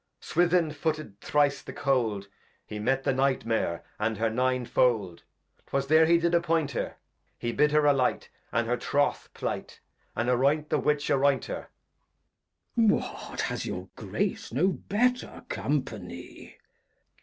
Swithin footed Thrice the Cold, He met the Night Mare and her Nine Fold, 'Twas there he did appoint her ; He bid her alight, and her Troth plight, And arroynt the Witch arroynt her. Glost. What, has your Grace no better Company?